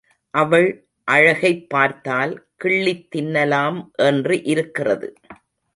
அவள் அழகைப் பார்த்தால் கிள்ளித் தின்னலாம் என்று இருக்கிறது